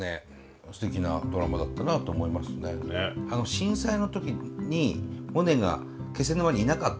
震災の時にモネが気仙沼にいなかったと。